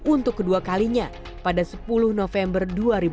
untuk kedua kalinya pada sepuluh november dua ribu dua puluh